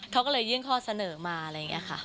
เขาก็เลยยื่นข้อเสนอมาอะไรอย่างนี้ค่ะ